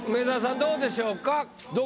どうでしょうか？